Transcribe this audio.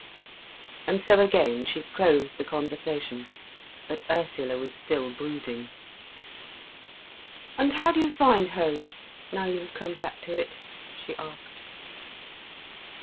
And so again she closed the conversation. But Ursula was still brooding. "And how do you find home, now you have come back to it?" she asked.